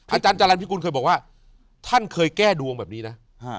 อาจารย์จรรย์พิกุลเคยบอกว่าท่านเคยแก้ดวงแบบนี้นะ